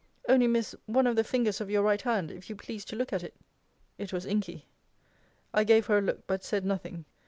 Only, Miss, one of the fingers of your right hand, if you please to look at it. It was inky. I gave her a look; but said nothing.